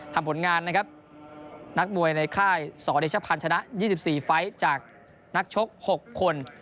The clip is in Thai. ผลงานนะครับนักมวยในค่ายสอเดชพันธ์ชนะ๒๔ไฟล์จากนักชก๖คน